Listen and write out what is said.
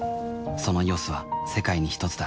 その「ＥＯＳ」は世界にひとつだ